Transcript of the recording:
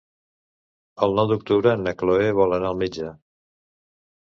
El nou d'octubre na Cloè vol anar al metge.